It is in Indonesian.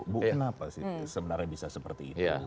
bu kenapa sih sebenarnya bisa seperti itu